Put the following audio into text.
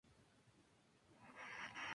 La boda fue organizada por Boleslao V el Casto.